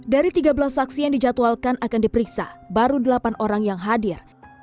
dari tiga belas saksi yang dijadwalkan akan diperiksa baru delapan orang yang hadir